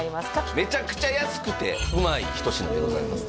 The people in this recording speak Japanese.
めちゃくちゃ安くてうまい一品でございます